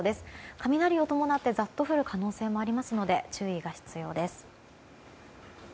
雷を伴ってザッと降る可能性もありますので注意が必要です。